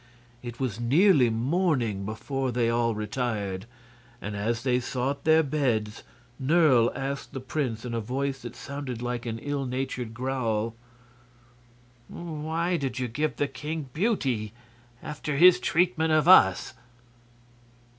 It was nearly morning before they all retired, and as they sought their beds Nerle asked the prince in a voice that sounded like an ill natured growl: "Why did you give the king beauty, after his treatment of us?"